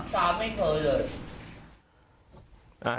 ไม่เคยเลย